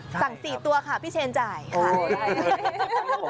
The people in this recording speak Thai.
สั่ง๔ตัวค่ะพี่เชนจ่ายค่ะ